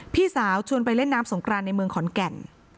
พี่สาวชวนไปเล่นน้ำสงกรานในเมืองขอนแก่น